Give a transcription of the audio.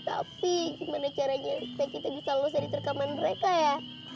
tapi gimana caranya supaya kita bisa lulus dari rekaman mereka ya